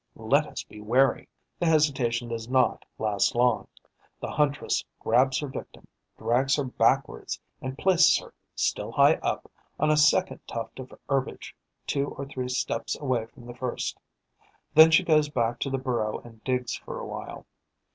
Let us be wary!' The hesitation does not last long: the huntress grabs her victim, drags her backwards and places her, still high up, on a second tuft of herbage, two or three steps away from the first. She then goes back to the burrow and digs for a while.